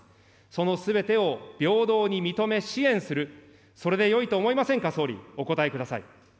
そのすべてを平等に認め支援する、それでよいと思いませんか、総理、お答えください。